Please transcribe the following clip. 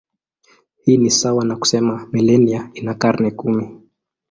Hii ni sawa na kusema milenia ina karne kumi.